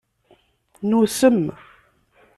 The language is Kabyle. Nusem.